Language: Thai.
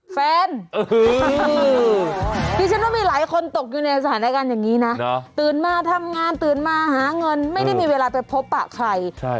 ดิฉันว่ามีหลายคนตกอยู่ในสถานการณ์อย่างนี้นะตื่นมาทำงานตื่นมาหาเงินไม่ได้มีเวลาไปพบปะใคร